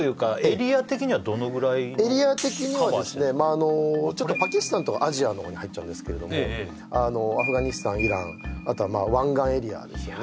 エリア的にはですねパキスタンとかアジアのほうに入っちゃうんですけれどもアフガニスタンイランあとは湾岸エリアですよね